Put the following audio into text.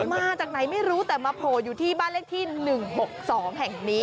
มาจากไหนไม่รู้แต่มาโผล่อยู่ที่บ้านเลขที่๑๖๒แห่งนี้